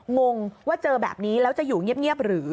งงว่าเจอแบบนี้แล้วจะอยู่เงียบหรือ